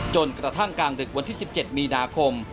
จนกระทั่งกลางดึกวันที่๑๗มีนาคม